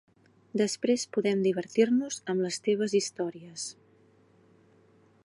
Després podem divertir-nos amb les teves històries.